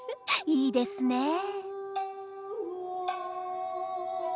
いいですねえ。